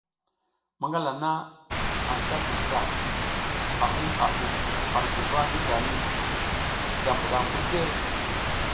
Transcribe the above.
Manal haha anta cinta, a hin a bu ar guva ngi tami, da bidang mbirke?